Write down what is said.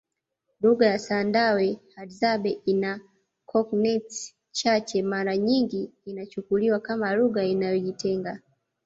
Lugha ya Sandawe Hadzane ina cognates chache mara nyingi inachukuliwa kama lugha inayojitenga